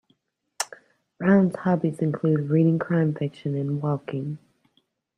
Brown's hobbies include reading crime fiction and walking.